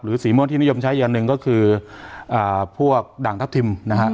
สีม่วงที่นิยมใช้อย่างหนึ่งก็คือพวกด่างทัพทิมนะฮะ